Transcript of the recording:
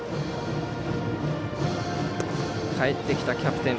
帰ってきたキャプテン。